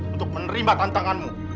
untuk menerima tantanganmu